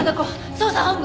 捜査本部？